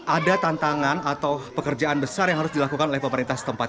ada tantangan atau pekerjaan besar yang harus dilakukan oleh pemerintah setempat